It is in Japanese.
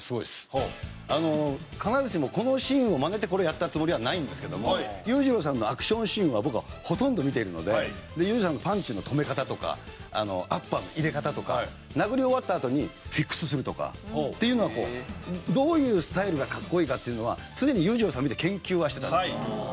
必ずしもこのシーンをマネてこれやったつもりはないんですけども裕次郎さんのアクションシーンは僕はほとんど見ているので裕次郎さんのパンチの止め方とかアッパーの入れ方とか殴り終わったあとにフィックスするとかっていうのはこうどういうスタイルがかっこいいかっていうのは常に裕次郎さんを見て研究はしてたんです。